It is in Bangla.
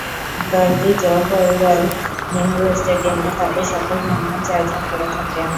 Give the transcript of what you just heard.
দলটি জওহরলাল নেহরু স্টেডিয়ামে তাদের সকল হোম ম্যাচ আয়োজন করে থাকে।